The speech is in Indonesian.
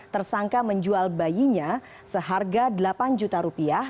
tersangka menjual bayinya seharga delapan juta rupiah